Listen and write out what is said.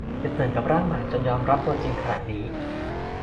อย่าตื่นกับร่างใหม่จนยอมรับตัวจริงขณะนี้